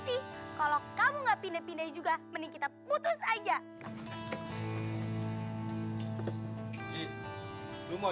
meine pb atau